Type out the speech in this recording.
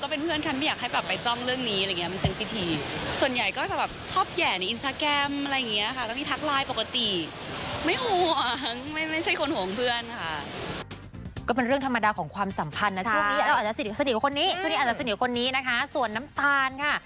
เป็นเรื่องธรรมดาของความสัมพันธ์นะช่วงนี้อาจจะสนิทกับคนนี้ส่วนน้ำตาลค่ะ